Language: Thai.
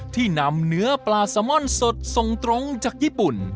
ที่นำเนื้อปลาซามอนสดส่งตรงจากญี่ปุ่น